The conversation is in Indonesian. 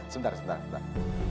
sebentar sebentar sebentar